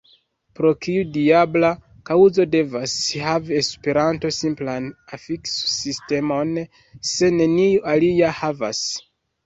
Pro kiu diabla kaŭzo devas havi Esperanto simplan afikso-sistemon, se neniu alia havas?